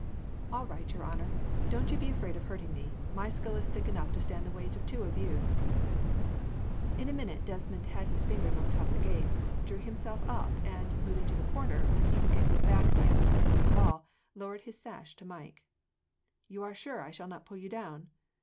"All right, your honour. Don't you be afraid of hurting me. My skull is thick enough to stand the weight of two of you." In a minute, Desmond had his fingers on the top of the gates, drew himself up, and, moving to the corner, where he could get his back against the end of the wall, lowered his sash to Mike. "You are sure I shall not pull you down?"